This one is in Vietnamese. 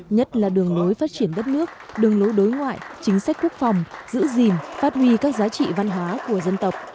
nhất là đường lối phát triển đất nước đường lối đối ngoại chính sách quốc phòng giữ gìn phát huy các giá trị văn hóa của dân tộc